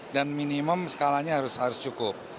dan minimum skalanya harus cukup